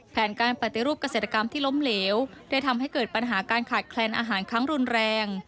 แผนการปฏิรูปเกษตรกรรมที่ล้มเหลวได้ทำให้เกิดปัญหาการขาดแคลนอาหารครั้งรุนแรง